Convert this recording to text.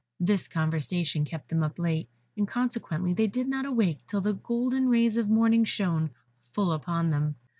This conversation kept them up late, and consequently they did not awake till the golden rays of morning shone full upon them.